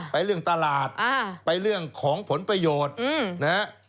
เรื่องตลาดไปเรื่องของผลประโยชน์นะฮะ